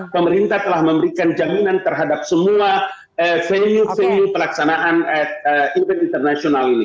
pemerintah telah memberikan jaminan terhadap semua venue venue pelaksanaan event internasional ini